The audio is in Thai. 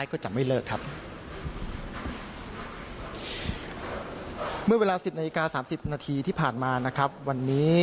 ก็บอกกับทีมข่าวว่า